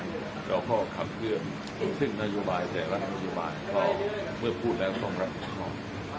เราก็ข่าวเพื่อนซึ่งนโยบายแต่ละนโยบายเขาเมื่อพูดแล้วส่องละพิมพ์